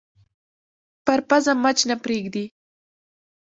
پر پزه مچ نه پرېږدي